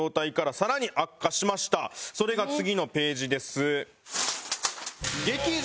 それが次のページです。